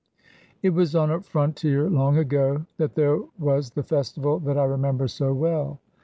It was on a frontier long ago that there was the festival that I remember so well.